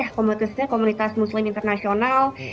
nah itu sebenarnya komunitas muslim internasional